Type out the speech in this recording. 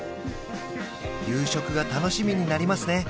夕食が楽しみになりますね